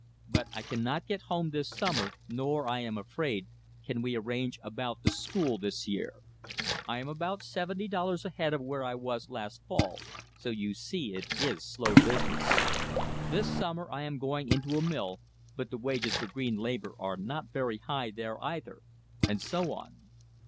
But I cannot get home this summer, nor, I am afraid, can we arrange about the school this year. I am about seventy dollars ahead of where I was last fall, so you see it is slow business. This summer I am going into a mill, but the wages for green labor are not very high there either," and so on.